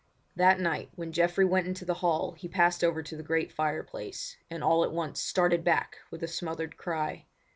That night when Geoffrey went into the hall he passed over to the great fireplace, and all at once started back with a smothered cry.